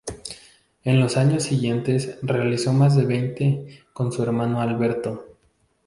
En los años siguientes realizó más de veinte con su hermano Alberto.